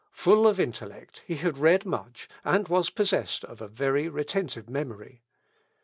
Full of intellect, he had read much, and was possessed of a very retentive memory.